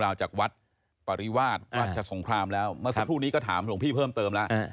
สำหนักพุทธก็แจ้งกลับมาทางวัดแหละ